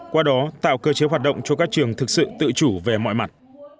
qua đó tạo cơ chế hoạt động cho các trường thực sự tự chủ về mọi mặt